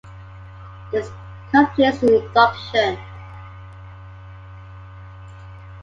This completes the induction.